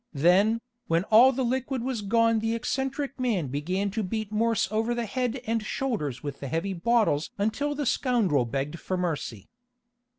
Then, when all the liquid was gone the eccentric man began to beat Morse over the head and shoulders with the heavy bottles until the scoundrel begged for mercy.